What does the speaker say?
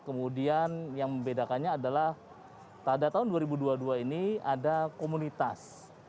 kemudian yang membedakannya adalah pada tahun dua ribu dua puluh dua ini ada komunitas